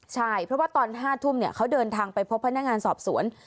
ใช่เพราะว่าตอน๕ทุ่มเขาเดินทางไปพบพนักงานสอบสวน